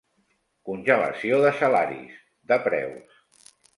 Congelació de salaris, de preus.